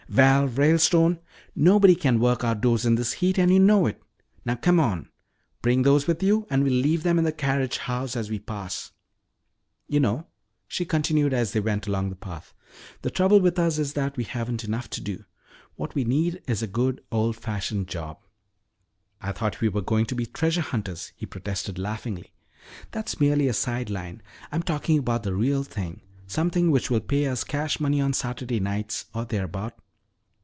"Val Ralestone, nobody can work outdoors in this heat, and you know it. Now come on. Bring those with you and we'll leave them in the carriage house as we pass it. You know," she continued as they went along the path, "the trouble with us is that we haven't enough to do. What we need is a good old fashioned job." "I thought we were going to be treasure hunters," he protested laughingly. "That's merely a side line. I'm talking about the real thing, something which will pay us cash money on Saturday nights or thereabout."